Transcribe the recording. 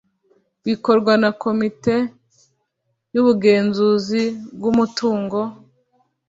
bikorwa na komite y ubugenzuzi bw’umutungo